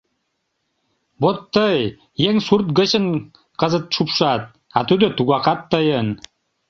- Вот тый еҥ сурт гычын кызыт шупшат, а тудо тугакат тыйын.